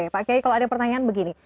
pak kiai kalau ada pertanyaan begini